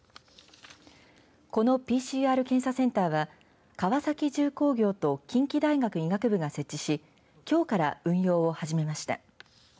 このＰＣＲ検査センターは川崎重工業と近畿大学医学部が設置しきょうから運用を始めました。